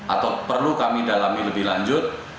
atau perlu kami dalami lebih lanjut